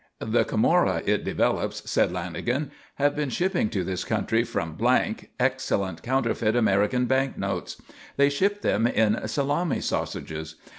"The Camorra, it develops," said Lanagan, "have been shipping to this country from excellent counterfeit American bank notes. They ship them in salami sausages.